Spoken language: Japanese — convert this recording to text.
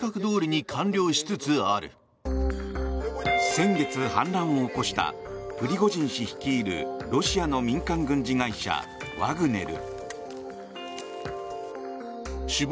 先月、反乱を起こしたプリゴジン氏率いるロシアの民間軍事会社ワグネル。